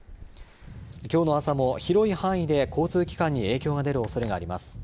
きょうの朝も広い範囲で交通機関に影響が出るおそれがあります。